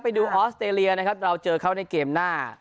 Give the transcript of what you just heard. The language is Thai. ออสเตรเลียนะครับเราเจอเขาในเกมหน้า